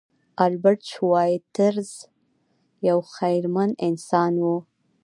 البرټ شوایتزر یو خیرمن انسان و.